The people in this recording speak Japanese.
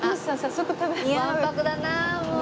わんぱくだなもう。